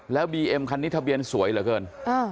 แล้วบีเอ็มคันนี้ทะเบียนสวยเหลือเกิน